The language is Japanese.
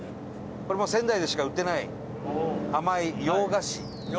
これも、仙台でしか売ってない甘い洋菓子。